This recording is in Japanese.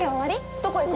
どこ行くの？